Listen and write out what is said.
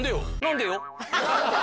何でよ？